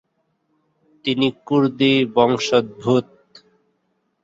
তিনি কুর্দি বংশোদ্ভূত।